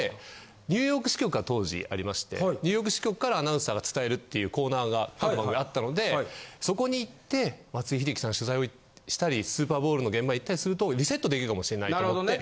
ニューヨーク支局が当時ありましてニューヨーク支局からアナウンサーが伝えるっていうコーナーがあったのでそこに行って松井秀喜さん取材をしたりスーパーボウルの現場行ったりするとリセットできるかもしれないと思って。